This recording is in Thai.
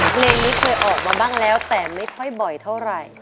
เพลงนี้เคยออกมาบ้างแล้วแต่ไม่ค่อยบ่อยเท่าไหร่